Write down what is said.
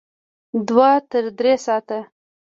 دوه تر درې ساعته